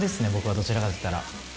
どちらかといったら。